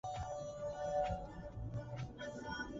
La guerra finalizó antes de que se terminase el buque.